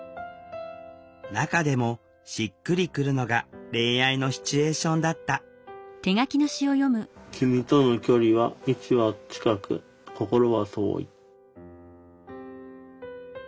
中でもしっくりくるのが恋愛のシチュエーションだった「君との距離は位置は近く心は遠い」。